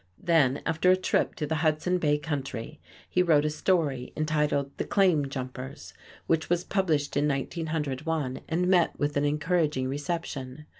Then, after a trip to the Hudson Bay country, he wrote a story entitled "The Claim Jumpers," which was published in 1901 and met with an encouraging reception.